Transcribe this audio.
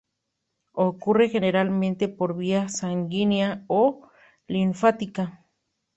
Ocurre generalmente por vía sanguínea o linfática.